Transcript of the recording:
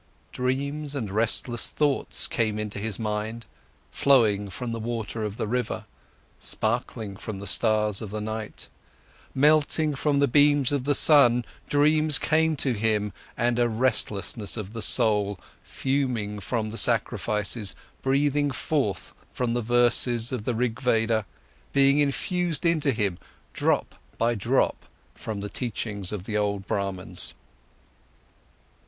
Dreams and restless thoughts came into his mind, flowing from the water of the river, sparkling from the stars of the night, melting from the beams of the sun, dreams came to him and a restlessness of the soul, fuming from the sacrifices, breathing forth from the verses of the Rig Veda, being infused into him, drop by drop, from the teachings of the old Brahmans.